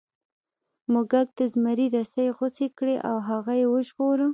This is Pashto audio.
موږک د زمري رسۍ غوڅې کړې او هغه یې وژغوره.